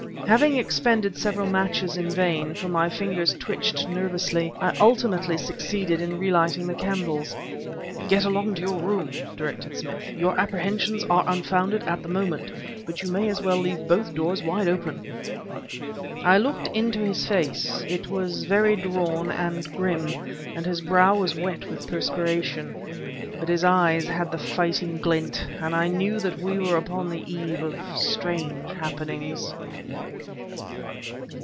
Having expended several matches in vain, for my fingers twitched nervously, I ultimately succeeded in relighting the candles. "Get along to your room!" directed Smith. "Your apprehensions are unfounded at the moment, but you may as well leave both doors wide open!" I looked into his face it was very drawn and grim, and his brow was wet with perspiration, but his eyes had the fighting glint, and I knew that we were upon the eve of strange happenings.